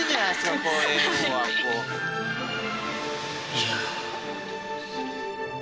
いや。